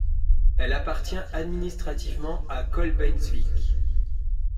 Elle appartient administrativement à Kolbeinsvik.